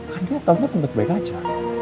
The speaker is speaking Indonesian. kan dia tau dia tempat baik aja